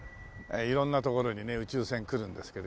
色んな所にね宇宙船来るんですけど。